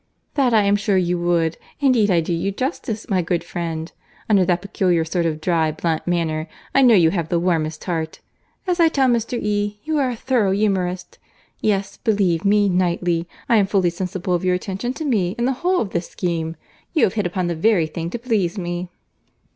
"That I am sure you would. Indeed I do you justice, my good friend. Under that peculiar sort of dry, blunt manner, I know you have the warmest heart. As I tell Mr. E., you are a thorough humourist.—Yes, believe me, Knightley, I am fully sensible of your attention to me in the whole of this scheme. You have hit upon the very thing to please me."